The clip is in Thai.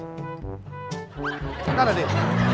นั่นแหละดิ